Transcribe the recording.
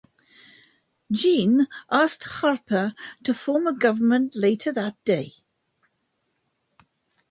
Jean asked Harper to form a government later that day.